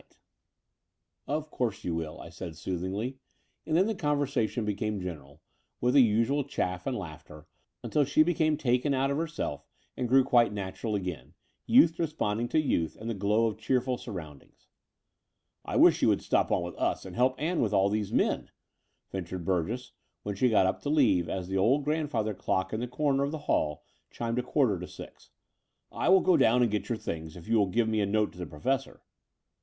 262 The Door of the Unreal "Of course you will," I said soothingly; and then the conversation became general, with the usual chaff and laughter, until she became taken out of herself and grew quite natural again, youth responding to youth and the glow of cheerful sur roundings. *' I wish you could stop on with us and help Ann with all these men?" ventured Burgess, when she got up to leave, as the old grandfather clock in the comer of the hall chimed a quarter to six. " I will go down and get your things, if you will give me a note to the Professor."